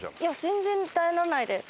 全然ならないです。